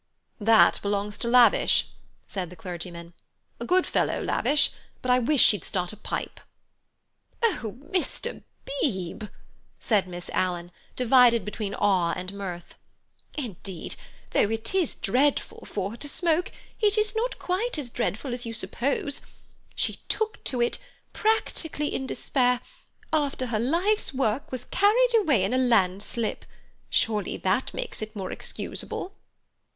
"That belongs to Lavish." said the clergyman. "A good fellow, Lavish, but I wish she'd start a pipe." "Oh, Mr. Beebe," said Miss Alan, divided between awe and mirth. "Indeed, though it is dreadful for her to smoke, it is not quite as dreadful as you suppose. She took to it, practically in despair, after her life's work was carried away in a landslip. Surely that makes it more excusable."